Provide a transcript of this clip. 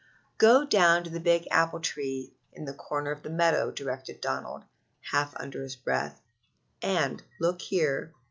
"Go down to the big apple tree in the corner of the meadow," directed Donald, half under his breath, "and, look here!